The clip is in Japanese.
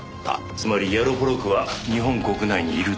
つまりヤロポロクは日本国内にいるという事か？